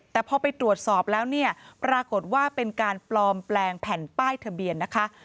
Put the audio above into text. แต่พอไปตรวจสอบแล้วเนี่ยปรากฏว่าเป็นการปลอมแปลงแผ่นป้ายทะเบียนนะคะ